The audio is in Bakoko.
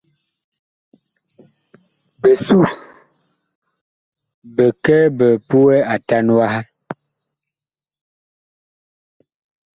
Bisuh bi kɛ bi puɛ Atan waha.